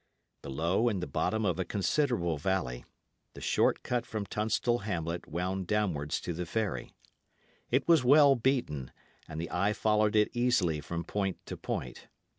Below, in the bottom of a considerable valley, the short cut from Tunstall hamlet wound downwards to the ferry. It was well beaten, and the eye followed it easily from point to point.